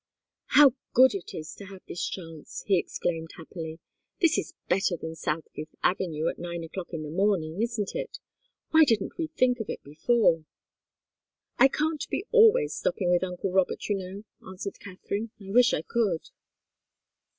"How good it is to have this chance!" he exclaimed, happily. "This is better than South Fifth Avenue at nine o'clock in the morning isn't it? Why didn't we think of it before?" "I can't be always stopping with uncle Robert, you know," answered Katharine. "I wish I could."